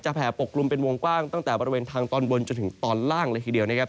แผ่ปกกลุ่มเป็นวงกว้างตั้งแต่บริเวณทางตอนบนจนถึงตอนล่างเลยทีเดียวนะครับ